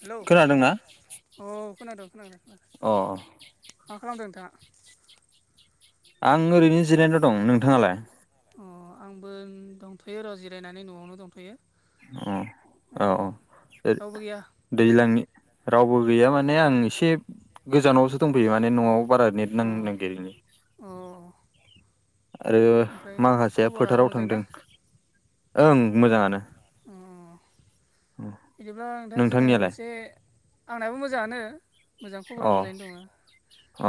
Hello खोनादोंना अ खोनादों खोनादों। खोनादों अ। मा खालामदों नोंथाङा? आं ओरैनो जिरायना दं। नोंथाङालाय? अ आंबो दंथ'यो र' जिरायनानै न'आवनो दंथ'यो। अ औ अ औ ओ रावबो गैया दैज्लांनि रावबो गैया माने आं एसे गोजानावसो दंफैयो माने न'आव बारा नेद अ नांनो नागिरा। अ। ओ आरो ओमफ्राय माखासेया खबरा फोथाराव मोजां ना थांदों। ओं मोजाङानो। अ। बिदिब्ला नोंथां जोङो नोंथांनियालाय मोनसे, आंनाबो मोजाङानो। मोजां खबरा अ मोजाङैनो दङो।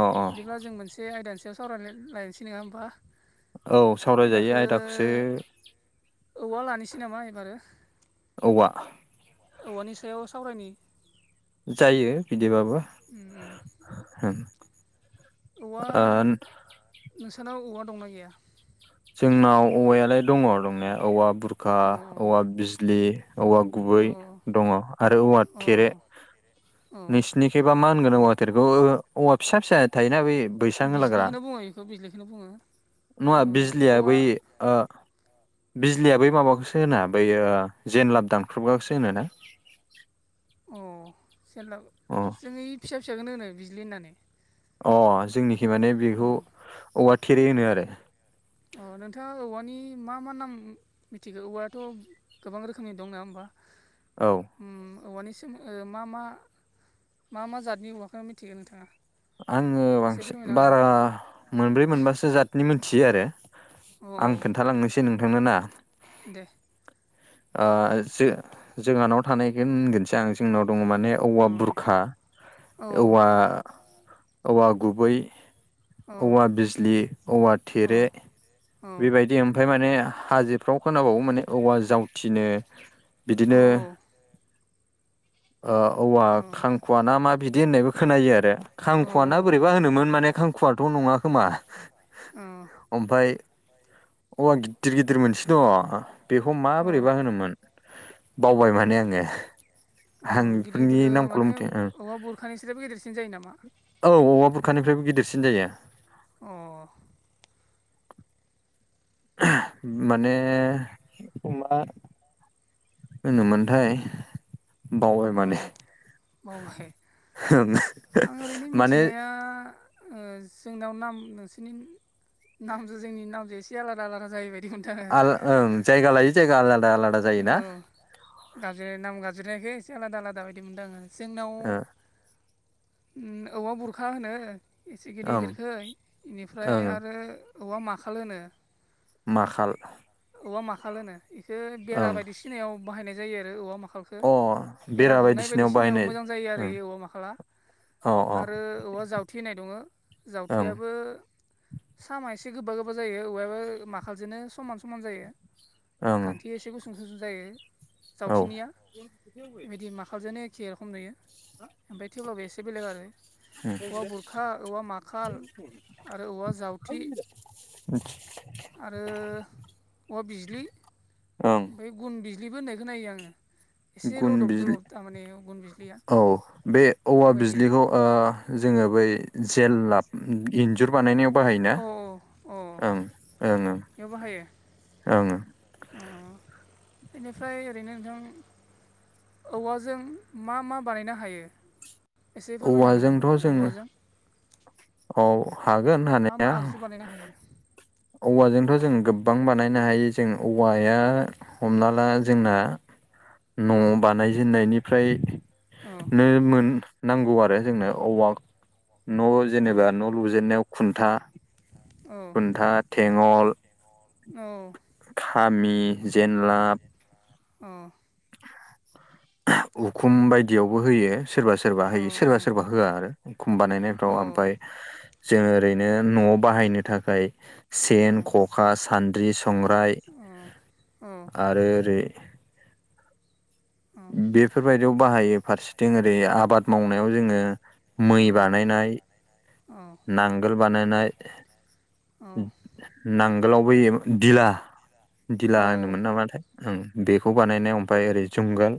अ अ बिदिब्ला जों मोनसे दे आयदानि सायाव सावराय लाय- लायनोसै नङा होमबा? औ सावरायजायो आयदाखो आयदाखौसो औवा लानोसै नामा एबारो। औवा औवानि सायाव सावरायनि। जायो बिदिबाबो उम उम होम। औवा, नोंसानाव औवा दंना गैया? जोंनाव औवायालाय दङ दंनाया औवा बुरखा, अ औवा बिजलि औवा गुबै अ दङ आरो औवा अ थेरे अ औ नोंसिनिखैबा मा होनगोन औवा थेरखौ ओ औवा फिसा फिसा थायोना बे बैसां होलाग्रा बिजलिखौनो बुङो बेखौ बिजलिखौनो बुङो औवा ओ बिज [unintelligible] औवा बै ओ बिजलिया बै माबाखौसो होना बैयो जेनलाब दानख्रबगखौसो होनो ना। अ जेनलाब अ जों इ फिसा फिसाखोनो होनो बिजलि होननानै। अ जोंनिखि माने अ बेखौ औवा थेरे होनो आरो। अ नोंथाङा औवानि मा- मा नाम मिथिगौ? औवायाथ' गोबां रोखोमनि दं नङा होमबा? औ। ओम औवानि सोमोन मा- मा- मा -मा जातनि औवाखौ मिथियो नोंथाङा? आङो एसे बांसिन फोरमायना होलाय बारा मोनब्रै मोनबासो जातनि मोनथियो आरो। औ आं खोन्थालांनोसै नोंथांनोना। दे। आ जो -जोंहानाव थानायखो होनगोनसै आं जोंनाव दङ माने अ औवा बुरखा औ औवा औवा गुबै, औ औवा बिजलि, औवा औ थेरे बेबायदि ओमफ्राय माने हाजोफ्राव खोनाबावो माने औवा जावथिनो। औ बिदिनो ओ औवा खांखुवा ना मा बिदि होननायबो खोनायो आरो खांखुवा आ ना औ बोरैबा होनोमोन माने खांखुआथ' नङा खोमा अ आमफाय औवा गिदिर-गिदिर मोनसे दङ बेखौ अ माबोरैबा होनोमोन। बावबाय माने आङो अ आं बेफोरनि नामखौल' मिथि ओ [unintelligible] गदेरसिन जायो नामा? औ औवा बुरखानिफ्रायबो गिदिरसिन जायो। अ। [inaudible] माने अमा होनोमोनथाय बावबाय अ माने। बावबाय ओं आं ओरैनो माने मिथिनाया ओ‌ जोंनाव नाम नोंसोरनि नामजों जोंनि नामजों एसे आलादा आलादा जायो बायदि [unintelligible] आल ओं जायगा लायै जायगा आलादा-आलादा जायो ना? गाज्रि नाम गाबज्रिनायखो एसे आलादा आलादा बायदि मोनदों आङो जोंनाव ओ ओम औवा बुरखा होनो एसे गिदिर ओं गिदिरखै बेनिफ्राय ओं आरो औवा माखाल होनो। माखाल। औवा माखाल होनो बेखौ बेरा ओं बायदिसिनायाव बाहायनाय जायो आरो औवा माखालखौ अ खो बेरा दुमनाय बायदिसिनायाव मोजां जायो आरो ओं ए औवा माखाला। अ आरो औवा जावथे होननाय दङ ओं जावथेयाबो सामा एसे गोबा-गोबा जायो औवायाबो माखालजोंनो समान-समान जायो। ओं। ए एसे गुसुं सुंसुं जायो औ जावथिनिया बेबायदि माखालजोंनो एखे रखम जायो। ओमफाय थेवब्लाबो एसे बेलेग आरो। औवा बुरखा, औवा माखाल, आरो औवा जावथि। उम। आरो औवा बिजलि ओं ओमफ्राय गुन बिजलिबो होननाय खोनायो आङो। एसे गुन लदब बिजलि दलब थारमाने गुन बिजलिया औ बे औवा बेफोरबायदि बिजलिखौ ओ‌ जोङो बै जेललाब इन जुर बानायनायाव बाहाय ना अ अ ओं ओं ओ‌ ओं ओ। ओ बेनिफ्राय ओरैनो नोंथां औवाजों मा मा बानायनो हायो एसे फोरमायनो हागोन नामा औवाजोंथ' जोङो औवाजों औ हागोन हानाया। नो हायो। औवाजोंथ' जों गोबां बानायनो हायो जों औवाया हमना ला जोंना न' बानायजेेननायनिफ्राय जंगल नो मोन नांगौ आरो जोंनो औवा न' जेनेबा न' लुजेननायाव खुन्था-खुन्था थेङल खामि जेनलाब अ। उखुम बायदियावबो होयो सोरबा सोरबा होयो सोरबा सोरबा होआ आरो एखम बानायनायफ्राव ओमफ्राय जोङो ओरैनो न'आव बाहायनो थाखाय सेन ख'खा सान्द्रि संग्राय आरो ओरै बेफोरबायदियाव बाहायो फारसेथिं ओरै आबाद मावनायाव जोङो मै बानायनाय नांगोल बानायनाय अ। नांगोलाव बैयो दिला दिला होनोमोन नामाथाय ओं बेखौ बानायनाय ओमफ्राय ओरै जुंगाल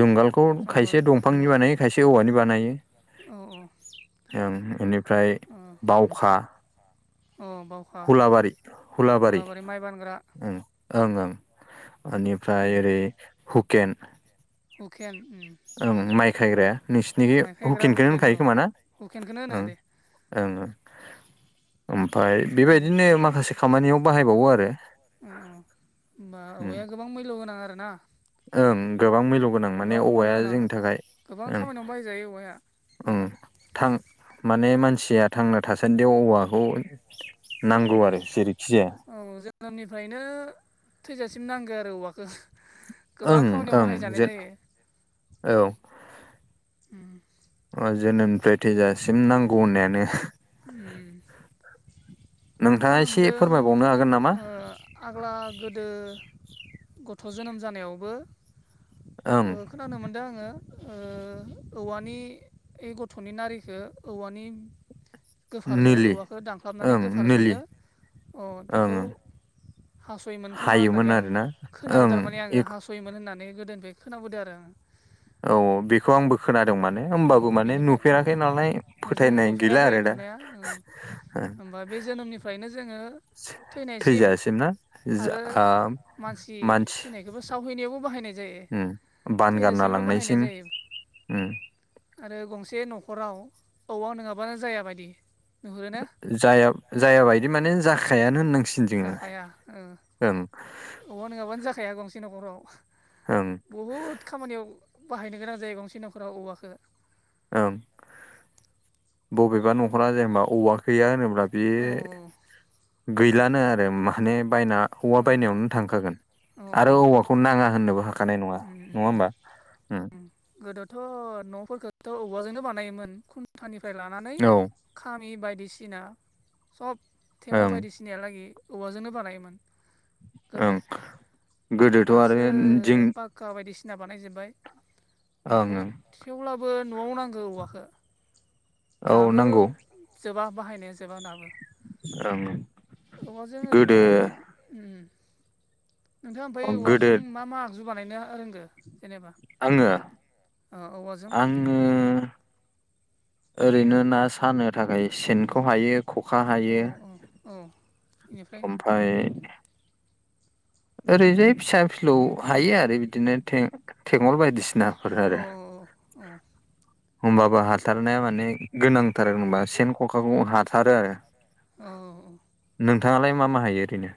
जुंगालखौ खायसे दंफांनि जंगल बानायो खायसे औवानि बानायो औ औ ओं इनिफ्राय बावखा औ बावखा हुलाबारि हुलाबारि हलाबारि माइ बानग्रा उम ओं ओं ओनिफ्राय ओरै हुकेन हुखेन ओं ओं माइ खायग्राया नोंसिनिखै खायग्रा हुकिनखोनो हुकेन होनखायो औ खोमा ना हुकेनखौनो होनो ओं दे ओं ओं ओमफाय बेबायदिनो बेनिफ्राय माखासे खामानियाव बाहायबावो आरो ओ ओ होमबा ओं औवाया गोबां मैल' गोनां आरोना ओं गोबां मैल' गोनां माने गोबां मैल्य औवाया गोनां जोंनि थाखाय गोबां उम खामानियावनो बाहायजायो औवाया उम होमबा थां माने मानसिया थांना थासान्दियाव औवाखौ औ नांगौ आरो जेरैखि जाया औ जोनोमनिफ्रायनो थैजासिम नांगो आरो औवखो गोबां ओं खामानियाव ओं बाहायजानाय जेन जायो। औ [inaudible] ओ जोनोमनिफ्राय थैजासिम नांगौ होननायानो उम नोंथाङा खोनानो एसे मोनदों फोरमायबावनो हागोन नामा? ओ आग्ला गोदो गथ' जोनोम जानायावबो ओं ओ खोनानो मोनदों आङो ओ औवानि ओ गथ'नि नारिखो औवानि गोफारजों निलि औवाखौ दानख्लाबनानै ओं निलि गोफारजोंनो अ ओं बेखौ हास'योमोन खोमा हायोमोन होननानै आं आरोना खोनादों ओं थारमाने आङो हास'योमोन होननानै गोदोनिफ्राय खोनाबोदो आरो आङो औ बेखौ आंबो खोनादों माने औ होमबाबो माने बेनिफ्राय उम नुफेराखै नालाय जों फोथायनाय गैला नुफेराखै आरो दा नुनाया ओ होमबा बे जोनोमनिफ्रायनो जोङो थैनायसिम थैजासिम ना आरो ओ मानसि थैनाय बेबो सावहैनायावबो बाहायनाय जायो उम बानगारना थैजासेयावनो बाहायनाय लांनायसिम जायो उम आरो गंसे न'खराव औवा नङाबानो जायााबायदि नुहुरो ना जाया जायााबायदि माने जाखायानो होननांसिगोन जाखाया ओ जोङो ओं औवा नोङाबानो जाखाया गंसे न'खराव ओं बहुद खामानियाव बाहायनो गोनां जायो बांसिन नखराव औवाखौ ओम बबेबा न'खरा जेनेबा औवा गैया होनोब्ला बे औ गैलानो आरो माने बायना औवा औ बायनायावनो थांखागोन औ आरो औवाखौ नाङा होननोबो हाखानाय नङा नङा होमबा ओम गोदोथ' न'फोरखौथ' औवाजोंनो बानायोमोन खुन्थानिफ्राय लानानै औ खामि बायदिसिना सब थेवोल ओं बायदिसिनाहालागि औवाजोंनो बानायोमोन गोदो ओं गोदोथ' आरो दासो जों पाक्का बायदिसिना बानायजोबबाय ओं न'खौ ओं थेवब्लाबो न'आव नांगौ औवाखौ औ दाबो नांगौ जोबा बाहायनाया जोबा दाबो ओं औवाजों ओरैनो गोदो उम नोंथाङा ओमफाय गोदो औवाजों मा मा आगजु बानायनो रोंगो जेनेबा? आङो ओ औवाजों ओम ओरैनो ना सानो थाखाय सेनखौ हायो खखा औ हायो औ बेनिफ्राय ओमफ्राय ओरैजाय फिसा फिलौ हायो आरो बिदिनो थें थेंगल बायदिसि नाफोर औ आरो औ होमबाबो हाथारनाया माने गोनांथार होनबा सेन ख'खाखौ हाथारो आरो औ औ नोंथाङालाय मा मा हायो ओरैनो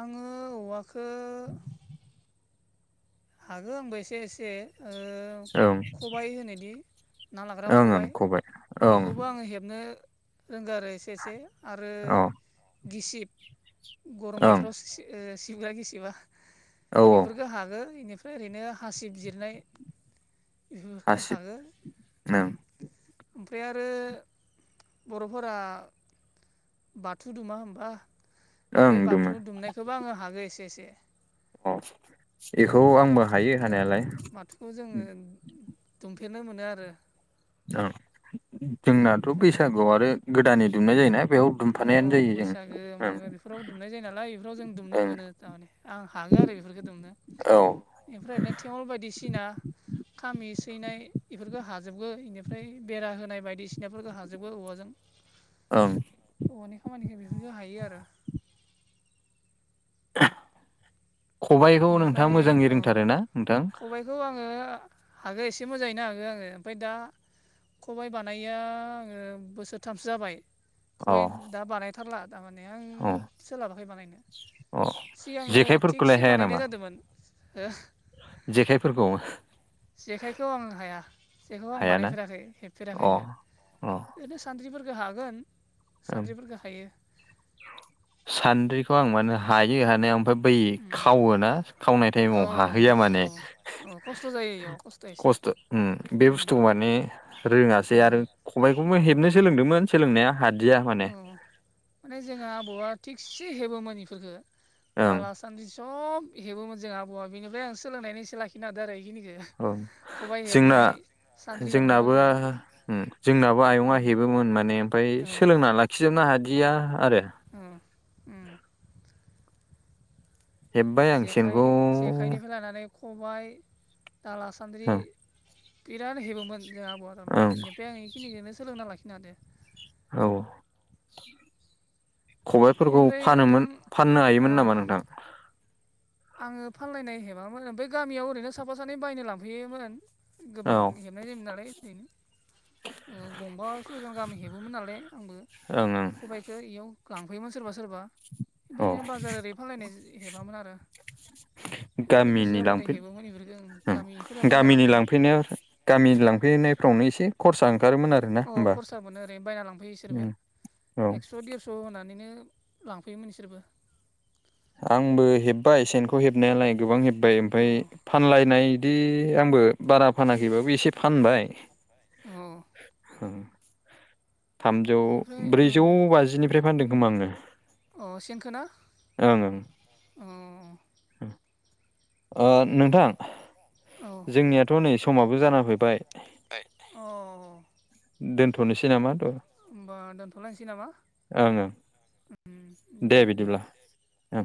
आङो औवखो [inaudible] हागो आंबो एसे एसे ओ ओं खबाइ होनोदि ना लाग्रा ओं ओं खबाय ओं बेखौबो आङो हेबनो रोंगौ आरो एसे एसे आरो औ गिसिब गरम ओं बोथोराव सि सि ओ सिबग्रा गिसिबा औ बेफोरखौ हागोन इनिफ्राय ओरैनो हासिब जिरनाय बेफोरखौ हासिब हाङो उम ओं ओमफ्राय आरो बर'फोरा बाथौ दुमा होमबा ओं बे दुमो बाथौ दुमनायखौबो आङो हागोन एसे एसे अ एखौ आंबो हायो ओ हानायालाय माथुखौ जोङो दुमफेरनो मोनो आरो औ जोंनाथ' बेफोरखौ बैसागुआव आरो गोदानै दुमनाय जायोना बेयाव अ दुमफानायानो औ जायो जों बैसागो ओं मागो बेफोराव दुमनाय जायो नालाय बेफोराव जों दुमनो ओं मोनो थारमाने आं हागोन आरो बेफोरखौ दुमनो औ ओमफ्रायनो थेवल बायदिसिना खामि सैनाय बेफोरखौ हाजोबगो बेनिफ्राय बेरा होनाय बायदिसिनाफोरखौ हाजोबगो औवाजों [inaudible] ओं औवानि खामानिखौ बिदिनो हायो आरो खबाइखौ नोंथाङा मोजाङै रोंथारो ना नोंथां बेखौ आङो हागो एसे मोजाङैनो हागो आङो ओमफाय दा खबाय बानायैया आङो बोसोरथामसो जाबाय अ खबाय दा बानायथारला थारमाने आं अ सोलाबाखै बानायनो अ सिगाङो थिग जेखाइफोरखौलाय हाया नामा मोन हो जेखाइफोरखौ जेखाइखौ आं हाया जेखाइखौ आं हायाना बानायफेराखै हेबफेराखै अ अ ओहो सानद्रिफोरखौ हागोन ओं सानद्रिफोरखौ हायो सान्द्रिखौ आं माने हायो हानायाव ओमफ्राय बै खावोना खावनाय टाइमाव औ हाहैया माने औ औ खस्थ' जायो इयाव एसे खस्थ' उम बे उम बुस्थुखौ माने रोङासै उम आरो खबाइखौबो औ हेबनो सोलोंदोंमोन सोलोंनाया हादिया माने माने जोङो आबौआ थिसे हेबोमोन बेफोरखौ ओं दाला- सान्दि सब हेबोमोन जोंहा आबौआ बेनिफ्राय आं सोलोंनानैसो लाखिना हादों आरो बेखिनिखो औ जोंना सान्द्रि जोंनाबो हेबनायफोरखो उम जोंनाबो आयंआ उम हेबोमोन माने ओमफ्राय औ सोलोंना ला खिजोबनो हादिया आरो अ उम हेब्बाय आं जेखाइ सेनखौ जेखाइनिफ्राय लानानै खबाय दाला सान्द्रि ओं बिराद हेबोमोन जोंना आबौआ थारमाने ओं इनिफ्राय आं बेखिनिखौनो सोलोंना लाखिनो हादों औ खबायफोरखौ इनिफ्राय नोंथां फानोमोन फाननो औ हायोमोन नामा नोंथां? आङो फानलायनाय हेबामोन अमफ्राय गामियाव ओरैनो साफा सानै बायनो लांफैयोमोन गोबां औ हेबनाय जायोमोन नालाय ओरैनो गंबा सयखान गामि हेबोमोन नालाय आंबो। ओं ओं खबायाइ बे इयाव लांफैयोमोन सोरबा सोरबा। औ ओमफ्राय बाजार ओरै फानलायनाय हेबामोन आरो। ओरैनो गोसो गामिनि जाबाथाय लांफै हेबोमोन बेफोरखौ ओं उम। गामिफोरा बायना गामिनि लांफैयोमोन लांफैनायाव गामि लांफैनायफ्रावनो एसे खरसा ओंखारोमोन आरो? अ खरसा मोनो। ओरैनो बायना लांफैयो इसोरबो उम औ एक्स' देरस' स' होनानैनो लांफैयोमोन बिसोरबो। आंबो हेब्बाय सेनखौ हेबनायालाय गोबां हेब्बाय। अ ओमफ्राय फानलायनाय बिदि आंबो बारा फानाखैबाबो एसे फानबाय। औ। थामजौ, बेनिफ्राय ओम ब्रैजौ बाजिनिफ्राय फानदों खोमा आङो। अ सेनखो ना? ओं ओं। अ। ओ नोंथां औ जोंनियाथ' नै समाबो जाना फैबाय। अ। दोनथ'नोसै नामा? होमबा दोनथ'लायनोसै नामा‍? ओं उम दे दे। ओं औ।